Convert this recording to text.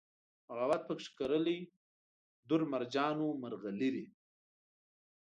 بغاوت پکښې کرلي دُر، مرجان و مرغلرې